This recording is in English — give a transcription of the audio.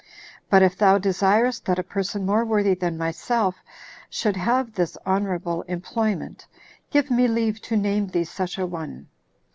But if thou desirest that a person more worthy than myself should have this honorable employment, give me leave to name thee such a one.